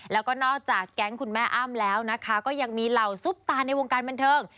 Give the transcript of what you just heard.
แล้วก็นอกจากแก๊งคุณแม่อ้ำแล้วนะคะก็ยังมีเหล่าซุปตาในวงการบันเทิง